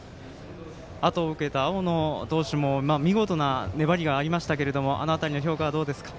あとを受けた青野投手も見事な粘りがありましたがあの辺りの評価はどうですか。